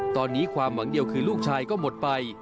ตอนนี้ความหวังเดียวคือลูกชายก็หมดไป